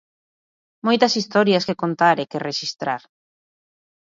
Moitas historias que contar e que rexistrar.